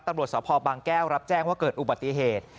ตำรวจสพบางแก้วรับแจ้งว่าเกิดอุบัติเหตุ